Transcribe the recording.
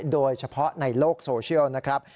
โดยเฉพาะในโลกโซเชียลนะครับ